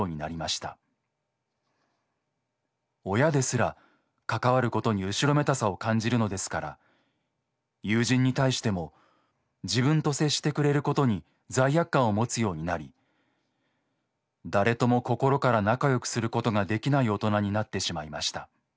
親ですら関わることに後ろめたさを感じるのですから友人に対しても自分と接してくれることに罪悪感を持つようになり誰とも心から仲良くすることができない大人になってしまいました。